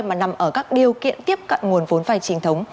mà nằm ở các điều kiện tiếp cận nguồn vốn vai chính thống